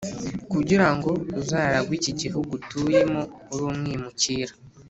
Kugira ngo uzaragwe iki gihugu utuyemo uri umwimukira